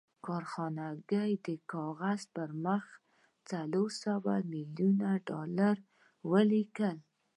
کارنګي د کاغذ پر مخ څلور سوه ميليونه ډالر ولیکل